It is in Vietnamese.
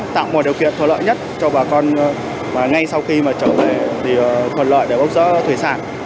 tạo một điều kiện thuận lợi nhất cho bà con ngay sau khi trở về thuận lợi để bốc giữa thủy sản